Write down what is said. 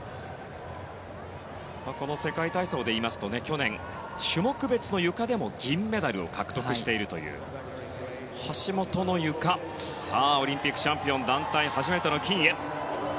この世界体操でいいますと去年、種目別のゆかでも銀メダルを獲得しているという橋本のゆかオリンピックチャンピオン団体初めての金へ。